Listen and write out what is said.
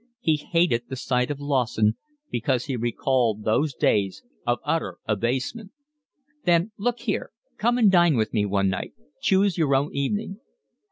He hated the sight of Lawson, because he recalled those days of utter abasement. "Then look here, come and dine with me one night. Choose your own evening."